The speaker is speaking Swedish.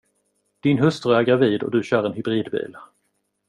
Din hustru är gravid och du kör en hybridbil.